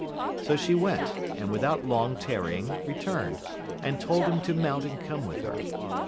So she went, and without long tarrying returned, and told him to mount and come with her.